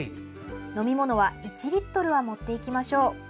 飲み物は１リットルは持っていきましょう。